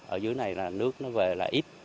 ở dưới này là nước nó về là ít